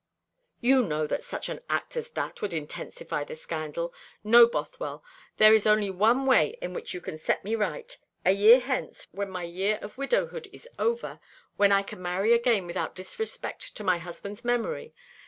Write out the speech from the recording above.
"You know that such an act as that would intensify the scandal. No, Bothwell, there is only one way in which you can set me right, a year hence, when my year of widowhood is over, when I can marry again without disrespect to my husband's memory.